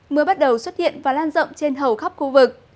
mưa bắt đầu xuất hiện và lan rộng trên hầu khắp khu vực